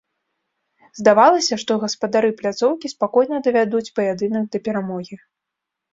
Здавалася, што гаспадары пляцоўкі спакойна давядуць паядынак да перамогі.